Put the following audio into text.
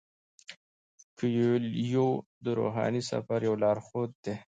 کویلیو د روحاني سفر یو لارښود دی.